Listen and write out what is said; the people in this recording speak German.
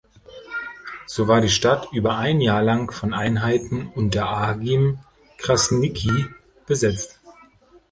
So war die Stadt über ein Jahr lang von Einheiten unter Agim Krasniqi besetzt.